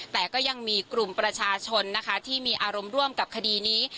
แต่ก็ยังมีกลุ่มประชาชนนะคะที่มีอารมณ์ร่วมกับคดีนี้